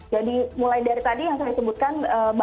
jadi mulai dari tadi yang saya sebutkan